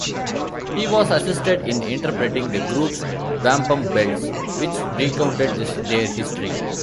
He was assisted in interpreting the group's wampum belts, which recounted their history.